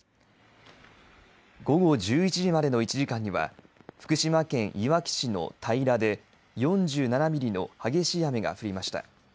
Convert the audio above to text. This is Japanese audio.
午後１１時までの１時間には福島県いわき市の平で４７ミリの激しい雨が降りました。